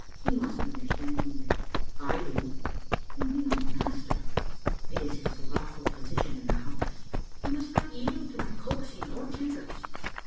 He must understand me." "I do." " And be my master." " It is his lawful position in the house." " He must not yield to my coaxing or tempers."